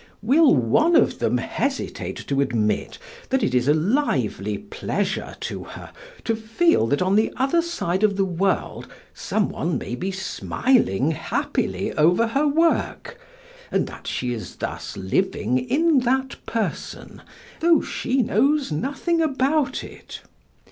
Will one of them hesitate to admit that it is a lively pleasure to her to feel that on the other side of the world some one may be smiling happily over her work, and that she is thus living in that person though she knows nothing about it?